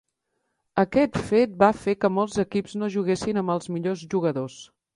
Aquest fet va fer que molts equips no juguessin amb els millors jugadors.